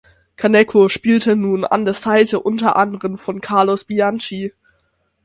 Kaneko spielte nun an der Seite unter anderem von Carlos Bianchi.